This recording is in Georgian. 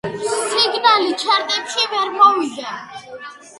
სინგლი ჩარტებში ვერ მოხვდა.